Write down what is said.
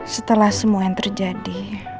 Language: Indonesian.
setelah semua yang terjadi